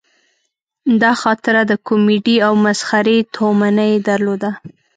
دا خاطره د کومیډي او مسخرې تومنه یې درلوده.